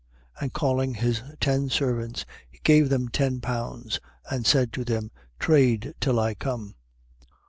19:13. And calling his ten servants, he gave them ten pounds and said to them: Trade till I come.